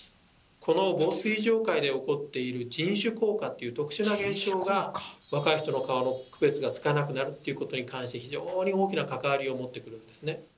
この紡錘状回で起こっている「人種効果」という特殊な現象が若い人の顔の区別がつかなくなるということに関して非常に大きな関わりを持ってくるんですね。